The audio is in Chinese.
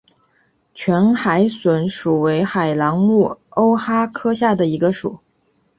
全海笋属为海螂目鸥蛤科下的一个属。